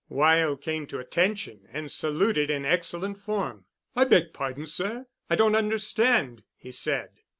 Weyl came to attention and saluted in excellent form. "I beg pardon, sir. I don't understand," he said.